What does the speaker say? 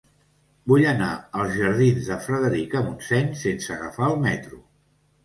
Vull anar als jardins de Frederica Montseny sense agafar el metro.